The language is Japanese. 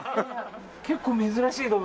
結構珍しい動物。